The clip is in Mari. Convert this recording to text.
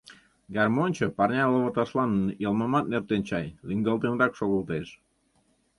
Гармоньчо парня лывырташлан йылмымат нӧртен чай, лӱҥгалтенрак шогылтеш.